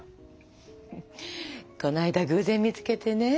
こないだ偶然見つけてね。